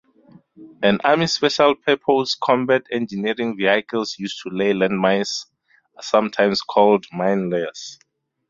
An army's special-purpose combat engineering vehicles used to lay landmines are sometimes called "minelayers".